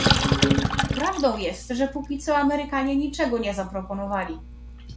Prawdą jest, że póki co Amerykanie niczego nie zaproponowali